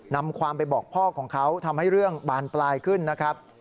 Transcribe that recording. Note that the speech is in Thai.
นำความไปบอกพ่อของเขาทำให้เรื่องบานปลายขึ้นนะครับ